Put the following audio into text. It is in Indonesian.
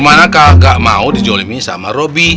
makanya kakak gak mau dijolimin sama robi